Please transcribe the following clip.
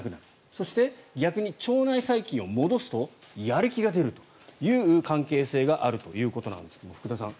そして、逆に腸内細菌を戻すとやる気が出るという関係性があるということなんですが福田さん